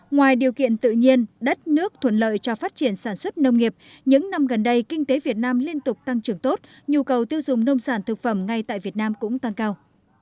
ngoài điều kiện tự nhiên đất nước thuận lợi cho phát triển sản xuất nông nghiệp những năm gần đây kinh tế việt nam liên tục tăng trưởng tốt nhu cầu tiêu dùng nông sản thực phẩm ngay tại việt nam cũng tăng cao